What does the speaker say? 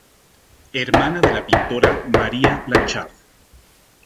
Hermana de la pintora María Blanchard.